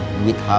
makan di restoran